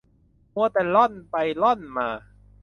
มัวแต่ร่อนไปร่อนมา